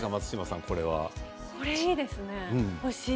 これいいですね、欲しい。